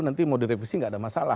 nanti mau direvisi nggak ada masalah